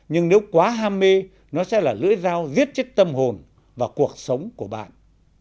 nhưng nếu quá ham mê nó sẽ là lưỡi dao giết chết tâm hồn và cuộc sống của bạn